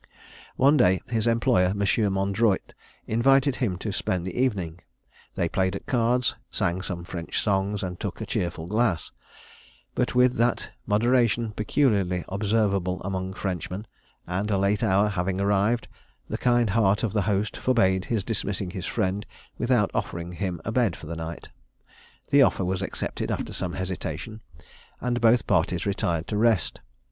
One day, his employer, Monsieur Mondroyte, invited him to spend the evening: they played at cards, sang some French songs, and took a cheerful glass, but with that moderation peculiarly observable among Frenchmen; and a late hour having arrived, the kind heart of the host forbade his dismissing his friend without offering him a bed for the night. The offer was accepted after some hesitation, and both parties retired to rest.